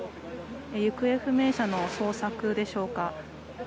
行方不明者の捜索でしょうか。